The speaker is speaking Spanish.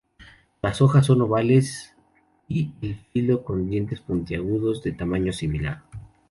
Las hojas son ovales y el filo con dientes puntiagudos de tamaño similar.